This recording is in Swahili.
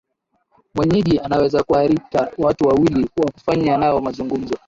mwenyeji anaweza kuarika watu wawili wa kufanya nao mazungumzo